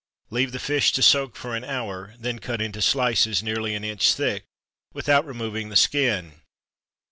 Leave the fish to soak for an hour, then cut into slices, nearly an inch thick, without removing the skin.